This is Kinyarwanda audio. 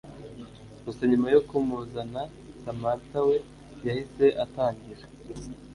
gusa nyuma yo kumuzana Samantha we yahise atangira